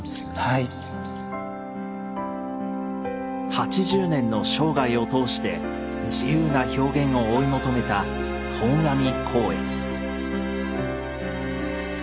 ８０年の生涯を通して自由な表現を追い求めた本阿弥光悦。